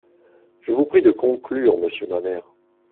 Je vous prie de conclure, monsieur Mamère.